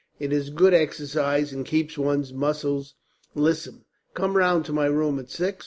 It is good exercise, and keeps one's muscles lissome. Come round to my room at six.